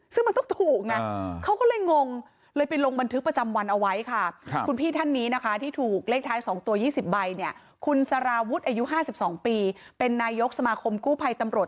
ซึ่งมันต้องถูกนะ